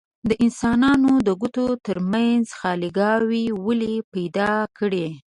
د انسانانو د ګوتو ترمنځ خاليګاوې ولې پیدا کړي؟